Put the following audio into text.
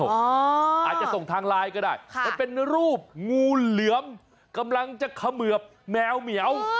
อาจจะส่งทางไลน์ก็ได้มันเป็นรูปงูเหลือมกำลังจะเขมือบแมวเหมียว